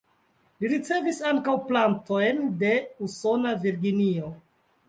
Li ricevis ankaŭ plantojn de usona Virginio.